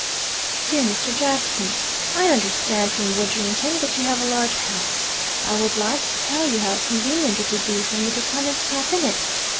"Dear Mr. Jackson, "I understand from Widdrington that you have a large house. I would like to tell you how convenient it would be for me to come and stop in it.